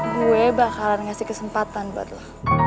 gue bakalan ngasih kesempatan buat lo